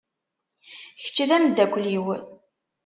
Kečč d amdakel-iw.